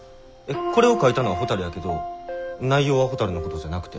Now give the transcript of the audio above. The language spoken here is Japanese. これを書いたのはほたるやけど内容はほたるのことじゃなくて？